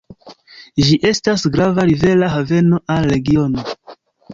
Ĝi estas grava rivera haveno al regiono.